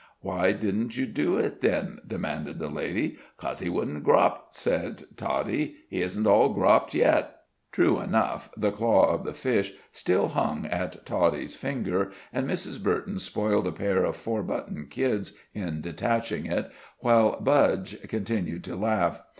"Why didn't you do it, then?" demanded the lady. "'Cauze he wouldn't grop," said Toddie; "he isn't all gropped yet." True enough, the claw of the fish still hung at Toddie's finger, and Mrs. Burton spoiled a pair of four button kids in detaching it, while Budge continued to laugh.